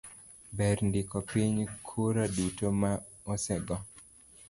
ber ndiko piny kura duto ma osego